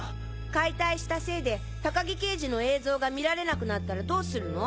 解体したせいで高木刑事の映像が見られなくなったらどうするの？